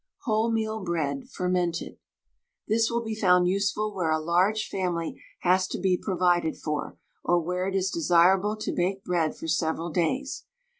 WHOLEMEAL BREAD (FERMENTED). This will be found useful where a large family has to be provided for, or where it is desirable to bake bread for several days.